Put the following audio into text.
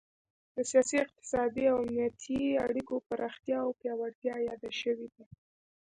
د سیاسي، اقتصادي او امنیتي اړیکو پراختیا او پیاوړتیا یاده شوې ده